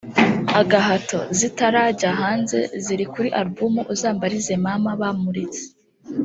“Agahato” zitarajya hanze ziri kuri Album Uzambarize Mama bamuritse